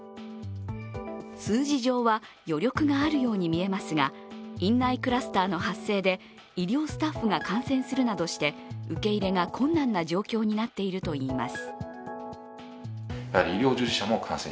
数字上は余力があるように見えますが、院内クラスターの発生で医療スタッフが感染するなどして受け入れが困難な状況になっているといいます。